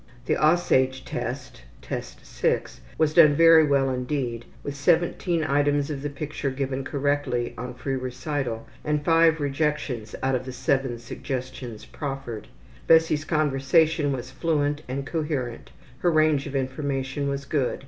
The ``Aussage'' test (Test VI) was done very well indeed, with 17 items of the picture given correctly on free recital, and 5 rejections out of the 7 suggestions proffered. Bessie's conversation was fluent and coherent, her range of information was good.